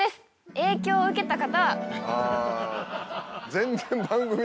影響を受けた人。